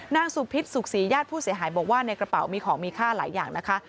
นางสุพิษสุขศรีญาติผู้เสียหายบอกว่าในกระเป๋ามีของมีค่าหลายอย่างนะคะ